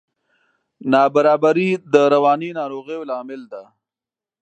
نابرابري د رواني ناروغیو لامل ده.